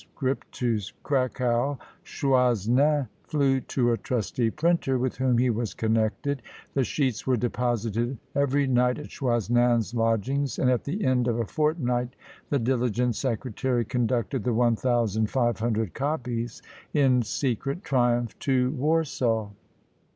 to Cracow, Choisnin flew to a trusty printer, with whom he was connected; the sheets were deposited every night at Choisnin's lodgings, and at the end of a fortnight the diligent secretary conducted the 1500 copies in secret triumph to Warsaw.